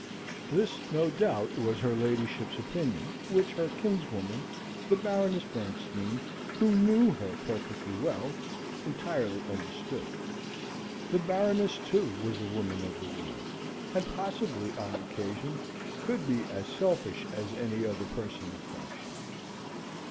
This, no doubt, was her ladyship's opinion, which her kinswoman, the Baroness Bernstein, who knew her perfectly well, entirely understood. The Baroness, too, was a woman of the world, and, possibly, on occasion, could be as selfish as any other person of fashion.